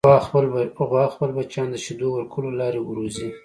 غوا خپل بچیان د شیدو ورکولو له لارې روزي.